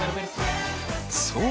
そう！